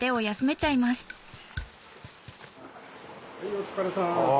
お疲れさん。